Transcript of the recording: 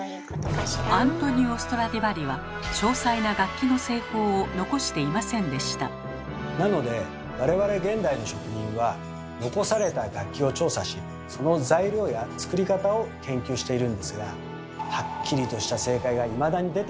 アントニオ・ストラディヴァリはなので我々現代の職人は残された楽器を調査しその材料や作り方を研究しているんですがはっきりとした正解がいまだに出ていないんです。